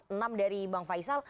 enam dari bang faisal